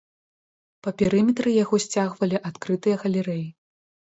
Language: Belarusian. Па перыметры яго сцягвалі адкрытыя галерэі.